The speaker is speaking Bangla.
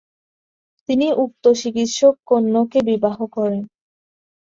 তিনি উক্ত চিকিৎসক কন্যাকে বিবাহ করেন।